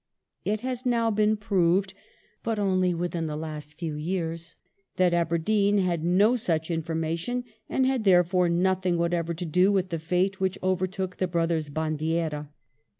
It has now been proved, but only within the last few years, that Aberdeen had no such information, and had therefore nothing whatever to do with the fate which overtook the brothers Bandiera.